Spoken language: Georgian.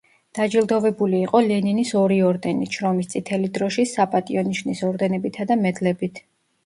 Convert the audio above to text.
დაჯილდოვებული იყო ლენინის ორი ორდენით, შრომის წითელი დროშის, „საპატიო ნიშნის“ ორდენებითა და მედლებით.